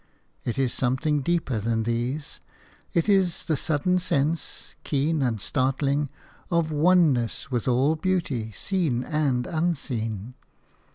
It is something deeper than these. It is the sudden sense – keen and startling – of oneness with all beauty, seen and unseen.